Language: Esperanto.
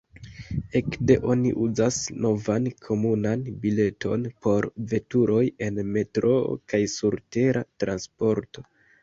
Ekde oni uzas novan komunan bileton por veturoj en metroo kaj surtera transporto.